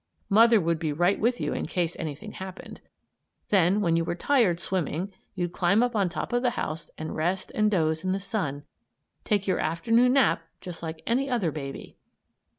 Mother would be right with you in case anything happened. Then when you were tired swimming you'd climb up on top of the house and rest and doze in the sun; take your afternoon nap just like any other baby.